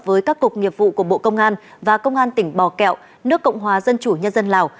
với các cục nghiệp vụ của bộ công an và công an tỉnh bò kẹo nước cộng hòa dân chủ nhân dân lào